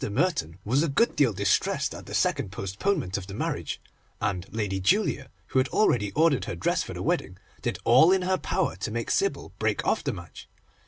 Merton was a good deal distressed at the second postponement of the marriage, and Lady Julia, who had already ordered her dress for the wedding, did all in her power to make Sybil break off the match.